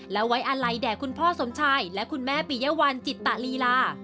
และไว้อาลัยแด่คุณพ่อสมชายและคุณแม่ปียวัลจิตตะลีลา